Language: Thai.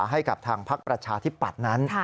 ให้กับทางพักประชาธิปัตย์นั้น